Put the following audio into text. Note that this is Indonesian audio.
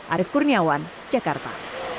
arief kurniawan jakarta